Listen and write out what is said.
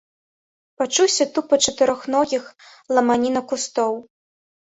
Пачуўся тупат чатырохногіх, ламаніна кустоў.